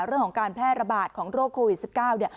เรื่องการแพร่ระบาดของโรคโควิด๑๙